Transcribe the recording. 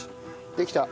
できた。